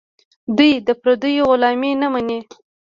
دوی د پردیو غلامي نه مني.